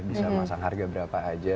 bisa masang harga berapa aja